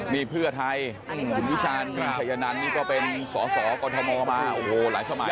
นี่เพื่อไทยคุณวิชาณชายนันนี่ก็เป็นสอสอกรทมมาโอ้โหหลายสมัย